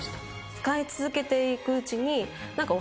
使い続けていくうちに。